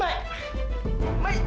mai pergi mai